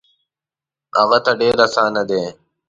هغه ته ډېر اسان دی.